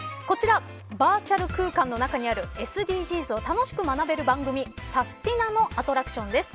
バーチャル空間の中にあるＳＤＧｓを楽しく学べる番組サスティな！のアトラクションです。